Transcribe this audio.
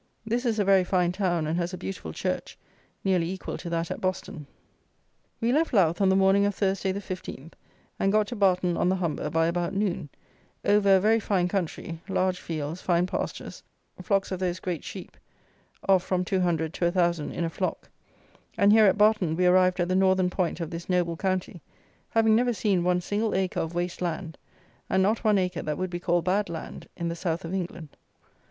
This is a very fine town, and has a beautiful church, nearly equal to that at Boston. We left Louth on the morning of Thursday the 15th, and got to Barton on the Humber by about noon, over a very fine country, large fields, fine pastures, flocks of those great sheep, of from 200 to 1,000 in a flock; and here at Barton, we arrived at the northern point of this noble county, having never seen one single acre of waste land, and not one acre that would be called bad land, in the south of England.